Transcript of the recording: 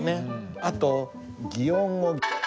あと擬音語。